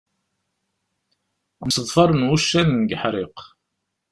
Mseḍfaren wuccanen deg uḥriq.